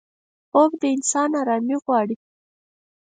خوب د انسان آرامي غواړي